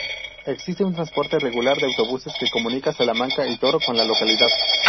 Existe un transporte regular de autobuses que comunica Salamanca y Toro con la localidad.